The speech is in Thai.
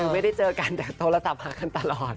ไม่ได้เจอกันแต่โทรศัพท์หากันตลอด